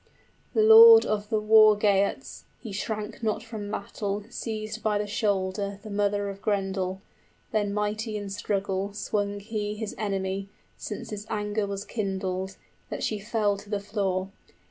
The lord of the War Geats (He shrank not from battle) seized by the shoulder The mother of Grendel; then mighty in struggle 65 Swung he his enemy, since his anger was kindled, That she fell to the floor.